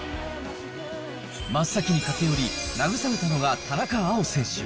真っ先に駆け寄り、慰めたのが田中碧選手。